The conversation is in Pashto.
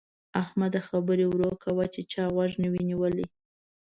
احمده! خبرې ورو کوه چې چا غوږ نه وي نيولی.